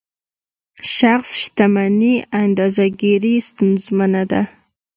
شخص شتمني اندازه ګیري ستونزمنه ده.